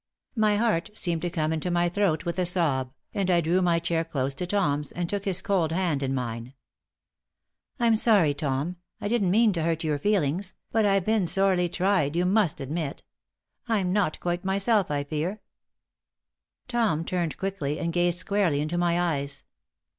My heart seemed to come into my throat with a sob, and I drew my chair close to Tom's and took his cold hand in mine. "I'm sorry, Tom. I didn't mean to hurt your feelings, but I've been sorely tried, you must admit. I'm not quite myself, I fear." Tom turned quickly and gazed squarely into my eyes.